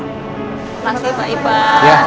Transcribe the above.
masuk ya pak iba